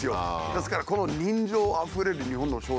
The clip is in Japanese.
ですからこの人情あふれる日本の商店街